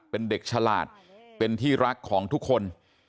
เป็นเด็กฉลาดเป็นที่รักของทุกคน